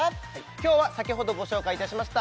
今日は先ほどご紹介いたしました